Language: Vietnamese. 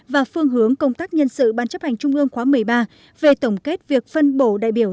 và phương hướng công tác nhân sự ban chấp hành trung ương khóa một mươi ba về tổng kết việc phân bổ đại biểu